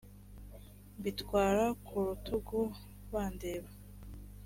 mbitwara ku rutugu bandeba